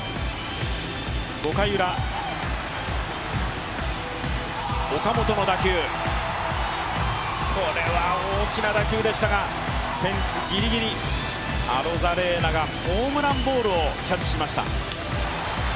５回ウラ、岡本の打球、これは大きな打球でしたがフェンスギリギリ、アロザレーナがホームランボールをキャッチしました。